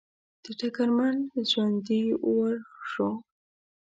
د ډګرمن ځونډي وار شو.